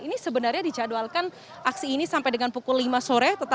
ini sebenarnya dijadwalkan aksi ini sampai dengan pukul lima sore